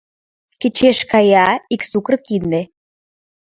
Кечеш кая ик сукыр кинде